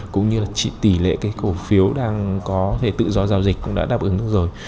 cũng như là tỷ lệ cái cổ phiếu đang có thể tự do giao dịch cũng đã đáp ứng được rồi